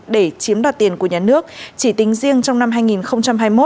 để chiếm đoạt tiền của nhà nước chỉ tính riêng trong năm hai nghìn hai mươi một